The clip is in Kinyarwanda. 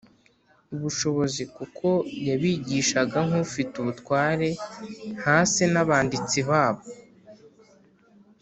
ubushobozi” “kuko yabigishaga nk’ufite ubutware, ntase n’abanditsi babo